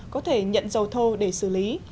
có thể nhận dầu thô để xử lý